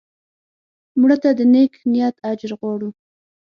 مړه ته د نیک نیت اجر غواړو